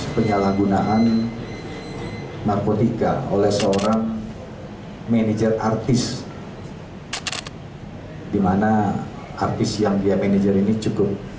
penyalahgunaan narkotika oleh seorang manajer artis di mana artis yang dia manajer ini cukup